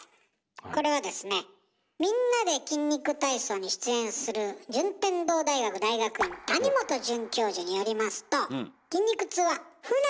これはですね「みんなで筋肉体操」に出演する順天堂大学大学院谷本准教授によりますとおお！